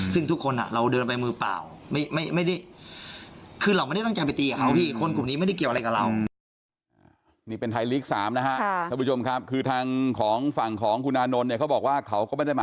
ซึ่งทุกคนเราเดินไปมือเปล่าคือเราไม่ได้ต้องไปตีกับเขาพี่